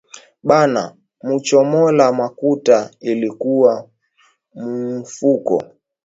Bana muchomola makuta ilikuwa muufuko